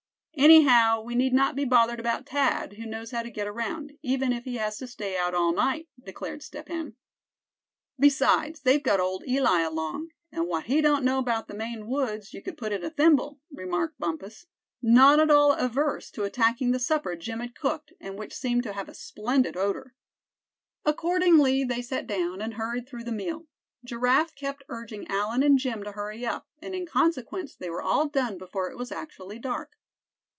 "Anyhow, we need not be bothered about Thad who knows how to get around, even if he has to stay out all night," declared Step Hen. "Besides, they've got old Eli along; and what he don't know about the Maine woods you could put in a thimble," remarked Bumpus, not at all averse to attacking the supper Jim had cooked, and which seemed to have a splendid odor. Accordingly, they sat down, and hurried through the meal. Giraffe kept urging Allan and Jim to hurry up, and in consequence they were all done before it was actually dark.